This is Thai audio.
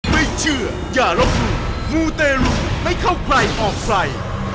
ไม่เชื่ออย่าลบมูมูเตรียมไม่เข้าใครออกฝ่าย